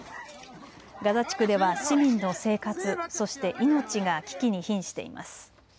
ガザ地区では市民の生活、そして命が危機にひんしています。